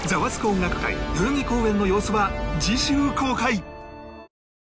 音楽会代々木公演の様子は次週公開